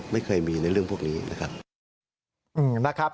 ไม่เคยมีในเรื่องพวกนี้นะครับ